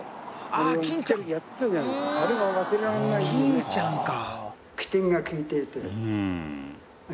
「欽ちゃんか」